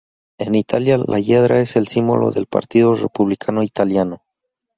En Italia, la hiedra es el símbolo del Partido Republicano Italiano.